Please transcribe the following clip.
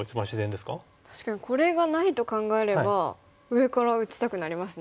確かにこれがないと考えれば上から打ちたくなりますね。